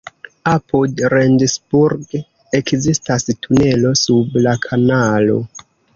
Apud Rendsburg ekzistas tunelo sub la kanalo.